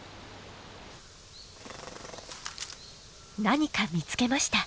何か見つけました！